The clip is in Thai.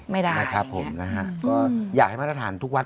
ไม่ได้นะครับอยากให้มารทธานทุกวัด